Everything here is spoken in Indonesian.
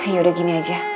ya udah gini aja